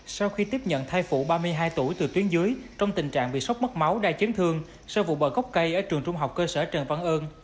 sau khi tiếp nhận thai phụ ba mươi hai tuổi từ tuyến dưới trong tình trạng bị sốc mất máu đa chấn thương sau vụ bờ gốc cây ở trường trung học cơ sở trần văn ơn